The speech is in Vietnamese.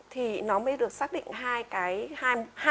thì nó mới được xác định